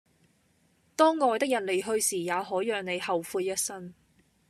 當愛的人離去時也可讓你後悔一生